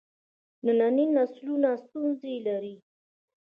ننني نسلونه ستونزې لري.